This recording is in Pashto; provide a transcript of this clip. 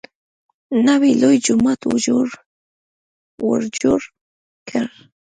نوی لوی جومات ورجوړ کړ.